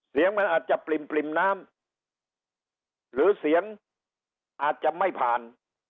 เสียงมันอาจจะปริ่มน้ำหรือเสียงอาจจะไม่ผ่าน